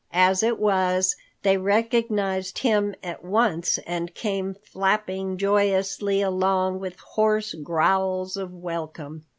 As it was, they recognized him at once and came flapping joyously along with hoarse growls of welcome.